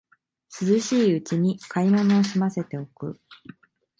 涼しいうちに買い物をすませておく